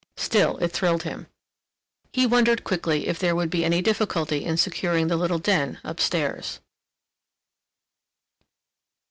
Still it thrilled him. He wondered quickly if there would be any difficulty in securing the little den up stairs.